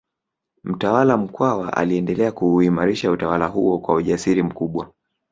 Mtawala Mkwawa aliendelea kuuimarisha utawala huo kwa ujasiri mkubwa